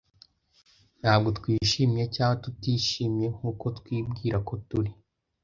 Ntabwo twishimye cyangwa tutishimye nkuko twibwira ko turi.